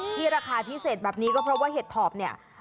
ราคาพิเศษแบบนี้ก็เพราะว่าเห็ดถอบเนี่ย